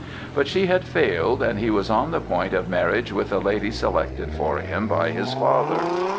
But she had failed, and he was on the point of marriage with a lady selected for him by his father.